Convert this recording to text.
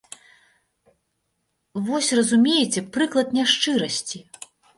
Вось, разумееце, прыклад няшчырасці!